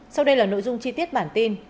sau đây là nội dung chi tiết bản tin